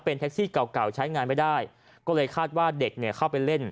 เป็นแท็กซี่เก่าใช้งานไม่ได้ก็เลยคาดว่าเด็กเข้าไปเล่น